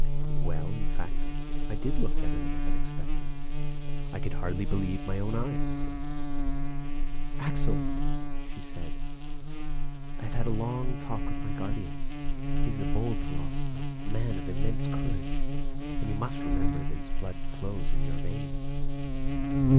Well, in fact I did look better than I had expected. I could hardly believe my own eyes. "Axel," she said, "I have had a long talk with my guardian. He is a bold philosopher, a man of immense courage, and you must remember that his blood flows in your veins.